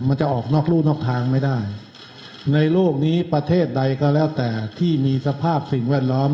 มันจะออกนอกรู่นอกทางไม่ได้ในโลกนี้ประเทศใดก็แล้วแต่ที่มีสภาพสิ่งแวดล้อม